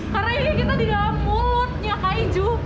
karena ini kita di dalam mulutnya kaiju